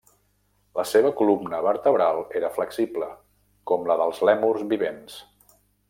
La seva columna vertebral era flexible, com la dels lèmurs vivents.